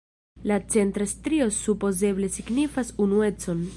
La centra strio supozeble signifas unuecon.